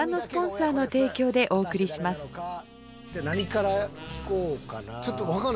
何から聞こうかな？